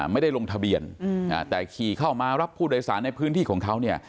ไม่ได้ลงทะเบียนแต่ขี่เข้ามารับผู้โดยสารในพื้นที่ของเขาเนี่ย